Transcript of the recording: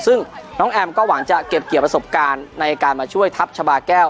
ซึ่งน้องแอมก็หวังจะเก็บเกี่ยวประสบการณ์ในการมาช่วยทัพชาบาแก้ว